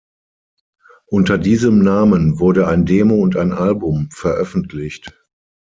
Unter diesem Namen wurde ein Demo und ein Album veröffentlicht.